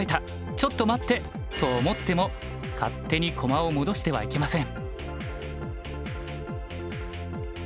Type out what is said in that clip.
「ちょっと待って！」と思っても勝手に駒を戻してはいけません。